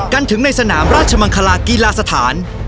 ถึงในสนามราชมังคลากีฬาสถาน